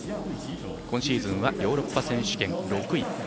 今シーズンはヨーロッパ選手権６位。